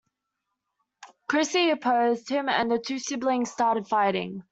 Chrissie opposed him, and the two siblings started fighting.